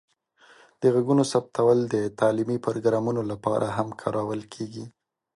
د غږونو ثبتول د تعلیمي پروګرامونو لپاره هم کارول کیږي.